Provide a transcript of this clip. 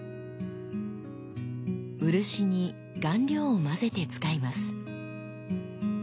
漆に顔料を混ぜて使います。